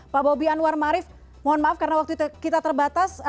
pak bobby anwar marif mohon maaf karena waktu itu kita terbatas